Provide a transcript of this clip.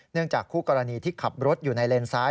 จากคู่กรณีที่ขับรถอยู่ในเลนซ้าย